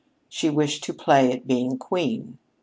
She wished to play at being queen.